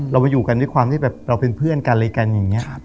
เราไปอยู่กันด้วยความที่แบบเราเป็นเพื่อนกันอะไรกันอย่างนี้